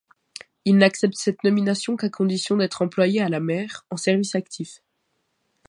Il n'accepte cette nomination qu'à condition d'être employé à la mer, en service actif.